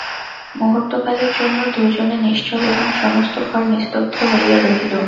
মুহূর্তকালের জন্য দুইজনে নিশ্চল এবং সমস্ত ঘর নিস্তব্ধ হইয়া রহিল।